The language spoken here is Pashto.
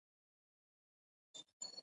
د محصل لپاره ګډ کار د زده کړې برخه ده.